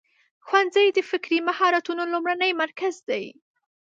ښوونځی د فکري مهارتونو لومړنی مرکز دی.